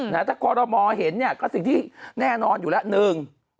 ถ้าขอรมอเห็นก็สิ่งที่แน่นอนอยู่แล้ว